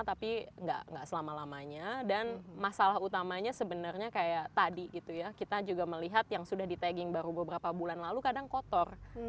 tapi enggak enggak selama lamanya dan masalah utamanya sebenarnya kayak tadi gitu ya kita juga melihat yang sudah di tagging baru beberapa bulan lalu kadang kotor